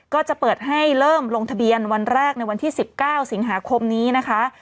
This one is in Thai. ก็จะเปิดให้เริ่มลงทะเบียนวันแรกในวันที่๑๙สิงหาคมนี้นะคะ